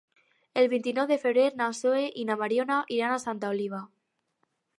El vint-i-nou de febrer na Zoè i na Mariona iran a Santa Oliva.